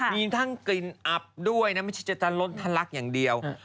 มีทั้งกลิ่นอับด้วยนะไม่ใช่จะทะล้นทะลักอย่างเดียว